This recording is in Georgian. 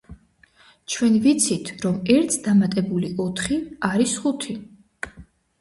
ჩვენ ვიცით, რომ ერთს დამატებული ოთხი არის ხუთი.